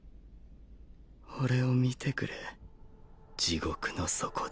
俺を見てくれ地獄の底で。